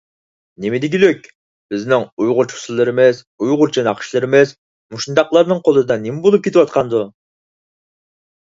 نېمە دېگۈلۈك؟ بىزنىڭ ئۇيغۇرچە ئۇسسۇللىرىمىز، ئۇيغۇرچە ناخشىلىرىمىز مۇشۇنداقلارنىڭ قولىدا نېمە بولۇپ كېتىۋاتىدىغاندۇ؟